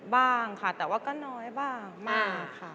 บ้างค่ะแต่ว่าก็น้อยบ้างมากค่ะ